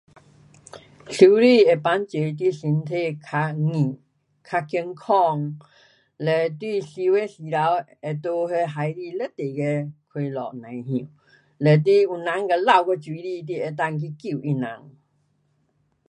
游泳会帮助你身体较硬，较健康。嘞你游的时头会在那海里非常的快乐甭晓。嘞，你有人被掉到水里你能够去就他人。